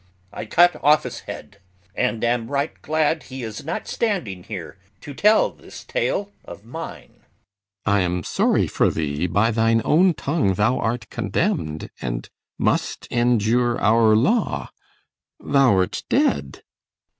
I cut off's head, And am right glad he is not standing here To tell this tale of mine. CYMBELINE. I am sorry for thee. By thine own tongue thou art condemn'd, and must Endure our law. Thou'rt dead.